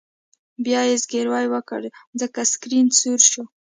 بیا یې زګیروی وکړ ځکه سکرین سور شو